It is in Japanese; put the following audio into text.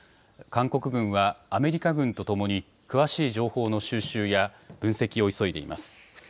韓国軍はアメリカ軍とともに詳しい情報の収集や分析を急いでいます。